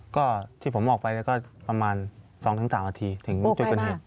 ก็ที่ผมออกไปก็ประมาณ๒๓นาทีถึงจุดเกิดเหตุ